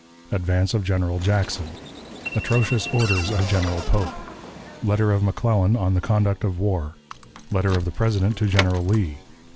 Advance of General Jackson. Atrocious Orders of General Pope. Letter of McClellan on the Conduct of the War. Letter of the President to General Lee.